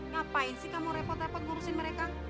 ngapain sih kamu repot repot ngurusin mereka